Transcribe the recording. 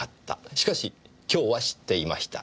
しかし今日は知っていました。